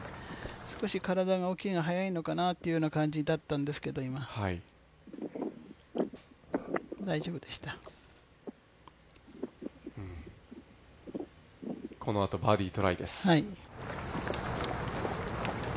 少し体の動きが早いのかなという感じだったんですけどこのあとバーディートライです。